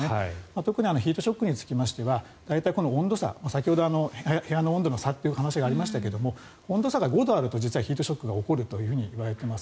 特にヒートショックにつきましてこの温度差先ほど部屋の温度の差という話がありましたが温度差が５度あると実はヒートショックが起こるといわれています。